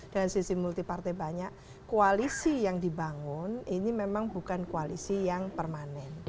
dan sisi multi partai banyak koalisi yang dibangun ini memang bukan koalisi yang permanen